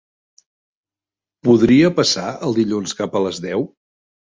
Podria passar el dilluns cap a les deu?